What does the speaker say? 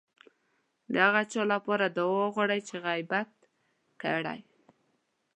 د هغه چا لپاره دعا وغواړئ چې غيبت کړی.